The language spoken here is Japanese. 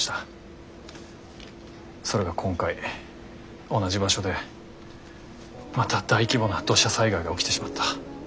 それが今回同じ場所でまた大規模な土砂災害が起きてしまった。